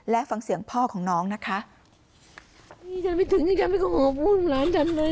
และฟังเสียงพ่อของน้องนะคะจนไม่ถึงจนไม่คงบุ้นหลานฉันเลย